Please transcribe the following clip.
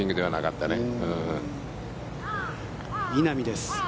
稲見です。